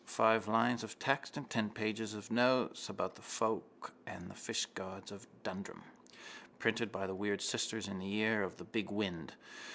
Five lines of text and ten pages of notes about the folk and the fishgods of Dundrum. Printed by the weird sisters in the year of the big wind.